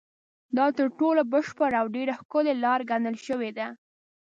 دا تر ټولو بشپړه او ډېره ښکلې لاره ګڼل شوې ده.